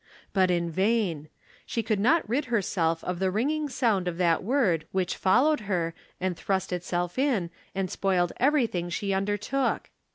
But in vain ; she could not rid herself of the ringing sound of that word which followed her, and thrust itself in and spoiled everything she undertook.